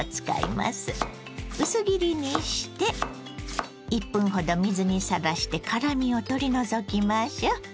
薄切りにして１分ほど水にさらして辛みを取り除きましょう。